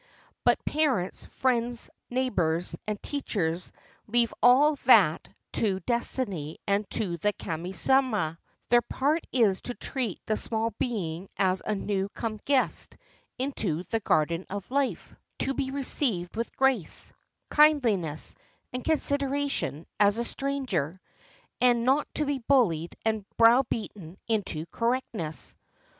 But parents, friends, neighbors, 466 JAPANESE CHILDREN AND THEIR GAMES and teachers leave all that to Destiny and to the Kami Sama ; their part is to treat the small being as a new come guest into the garden of Hfe, to be received with grace, kindliness, and consideration as a stranger, and not to be bullied and browbeaten into correctness.